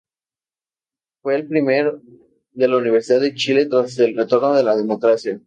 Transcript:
Fue el primer de la Universidad de Chile tras el retorno a la democracia.